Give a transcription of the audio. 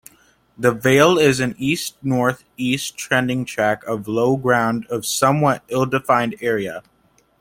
The vale is an east-north-east trending tract of low ground of somewhat ill-defined area.